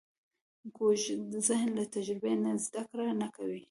کوږ ذهن له تجربې نه زده کړه نه کوي